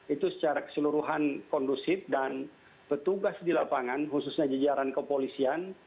itu secara keseluruhan kondusif dan petugas di lapangan khususnya jajaran kepolisian